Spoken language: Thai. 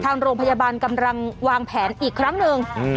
ทางโรงพยาบาลกำลังวางแผนอีกครั้งหนึ่ง